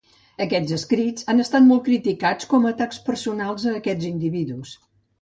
Aquests escrits han estat molt criticats com a atacs personals a aquests individus.